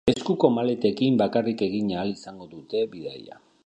Eskuko maletekin bakarrik egin ahal izango dute bidaia.